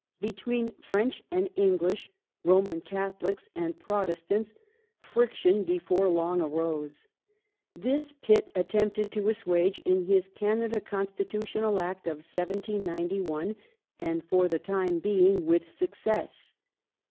Between French and English, Roman Catholics and Protestants, friction, before long, arose. This Pitt attempted to assuage in his Canada Constitu tional Act of 1791, and, for the time being, with success.